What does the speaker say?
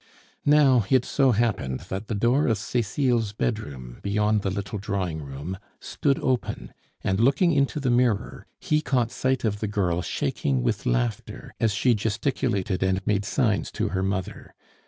Now, it so happened that the door of Cecile's bedroom, beyond the little drawing room, stood open, and looking into the mirror, he caught sight of the girl shaking with laughter as she gesticulated and made signs to her mother.